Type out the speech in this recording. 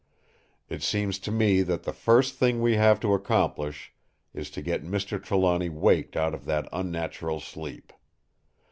It seems to me that the first thing we have to accomplish is to get Mr. Trelawny waked out of that unnatural sleep.